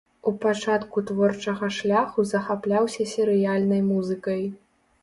У пачатку творчага шляху захапляўся серыяльнай музыкай.